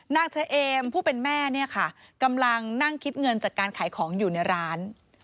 นางเฉเอมผู้เป็นแม่เนี่ยค่ะกำลังนั่งคิดเงินจากการขายของอยู่ในร้าน